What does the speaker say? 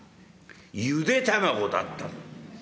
ゆで玉子だった。